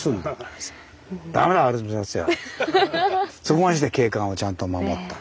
そこまでして景観をちゃんと守った。